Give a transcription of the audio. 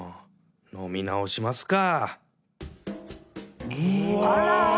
飲み直しますか！